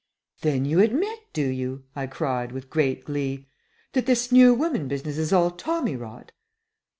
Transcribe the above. "Then you admit, do you," I cried, with great glee, "that this new woman business is all Tommy rot?"